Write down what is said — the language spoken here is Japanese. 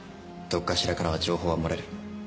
どっかしらからは情報は漏れる。